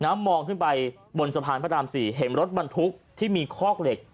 มองขึ้นไปบนสะพานพระราม๔เห็นรถบรรทุกที่มีคอกเหล็ก